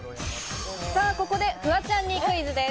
ここでフワちゃんにクイズです。